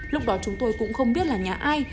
lúc đó chúng tôi cũng không biết là nhà ai